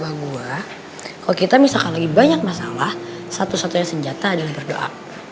menurut gue kalo kita misalkan lagi banyak masalah satu satunya senjata adalah berdoa